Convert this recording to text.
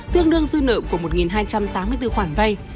tương đương dư nợ của một hai trăm tám mươi bốn khoản vay